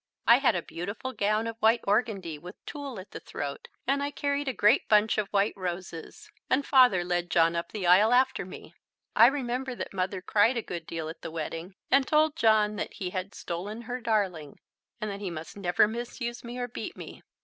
I had a beautiful gown of white organdie with tulle at the throat, and I carried a great bunch of white roses, and Father led John up the aisle after me. I remember that Mother cried a good deal at the wedding, and told John that he had stolen her darling and that he must never misuse me or beat me.